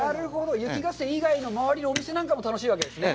雪合戦以外の周りのお店なんかも楽しいんですね。